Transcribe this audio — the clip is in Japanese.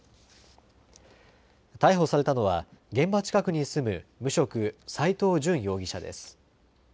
逮捕されたのは現場近くに住む無職、斎藤淳容疑者です。